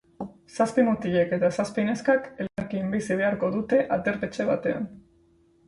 Zazpi mutilek eta zazpi neskak elkarrekin bizi beharko dute aterpetxe batean.